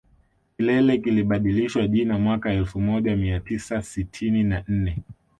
Kilele kilibadilishiwa jina mwaka elfu moja mia tisa sitini na nne